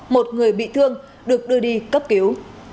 một người bị thương được đưa đi cấp cứu